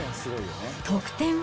得点は？